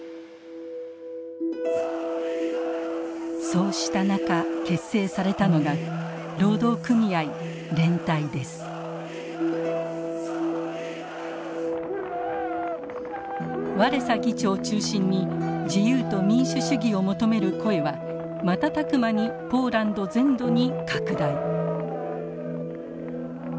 そうした中結成されたのがワレサ議長を中心に自由と民主主義を求める声は瞬く間にポーランド全土に拡大。